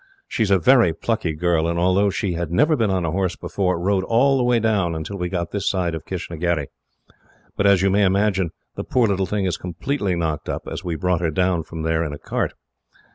She is a very plucky girl, and, although she had never been on a horse before, rode all the way down, until we got this side of Kistnagherry. But as you may imagine, the poor little thing is completely knocked up, so we brought her down from there in a cart.